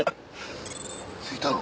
着いたの？